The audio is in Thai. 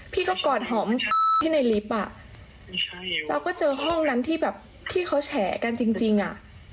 พี่ก็กอดหอมที่ในลิฟต์อ่ะเราก็เจอห้องนั้นที่แบบที่เขาแฉกันจริงจริงอ่ะ